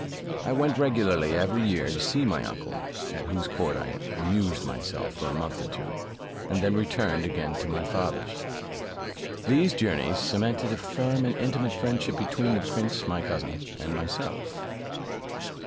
I went regularly every year to see my uncle, at whose court I amused myself for a month or two, and then returned again to my father's. These journeys cemented a firm and intimate friendship between the prince my cousin and myself.